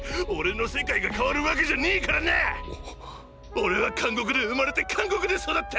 俺は監獄で生まれて監獄で育った！